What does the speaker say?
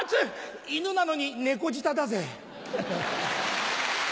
犬なのに猫舌だぜ。